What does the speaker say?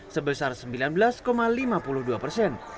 sebesar sembilan belas lima puluh dua persen